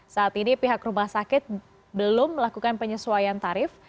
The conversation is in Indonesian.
saat ini pihak rumah sakit belum melakukan penyesuaian tarif